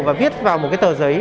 và viết vào một cái tờ giấy